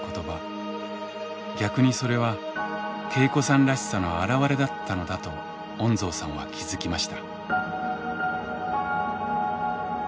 逆にそれは恵子さんらしさの表れだったのだと恩蔵さんは気付きました。